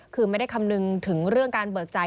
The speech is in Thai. คือไม่ได้คำนึงถึงเรื่องการเบิกจ่าย